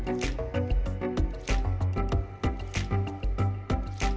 hẹn gặp lại